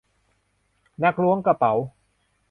นักล้วงกระเป๋า